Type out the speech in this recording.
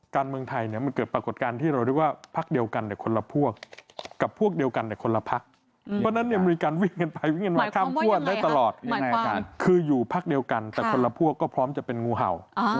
การเมืองไทยมันเกิดปรากฏการณ์ที่เราเรียกว่า